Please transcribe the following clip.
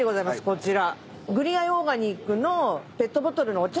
こちら。